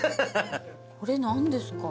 これ何ですか？